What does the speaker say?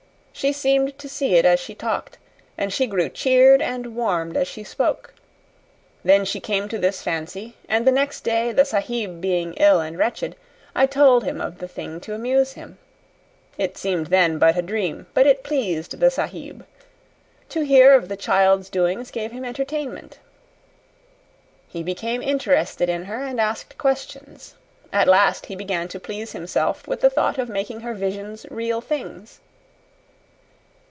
She seemed to see it as she talked, and she grew cheered and warmed as she spoke. Then she came to this fancy; and the next day, the Sahib being ill and wretched, I told him of the thing to amuse him. It seemed then but a dream, but it pleased the Sahib. To hear of the child's doings gave him entertainment. He became interested in her and asked questions. At last he began to please himself with the thought of making her visions real things."